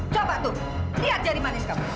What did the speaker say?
coba tuh lihat jari manis kamu